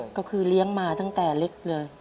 ก็คือเลี้ยงมาตั้งแต่เล็กเลย